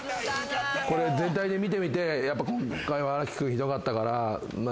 これ全体で見てみて今回は荒木君ひどかったから。